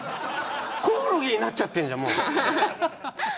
コオロギになっちゃってるじゃんもう。